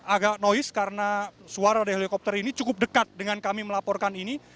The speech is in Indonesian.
agak noise karena suara dari helikopter ini cukup dekat dengan kami melaporkan ini